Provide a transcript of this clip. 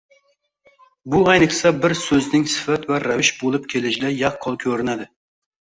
Bu ayniqsa bir soʻzning sifat va ravish boʻlib kelishida yaqqol koʻrinadi